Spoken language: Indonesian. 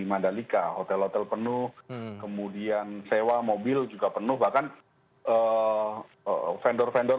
mandalika hotel hotel penuh kemudian sewa mobil juga penuh bahkan vendor vendor